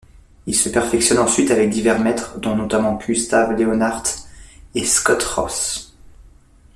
Il se perfectionne ensuite avec divers maîtres, dont notamment Gustav Leonhardt et Scott Ross.